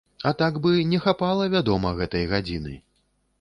А так бы, не хапала, вядома, гэтай гадзіны.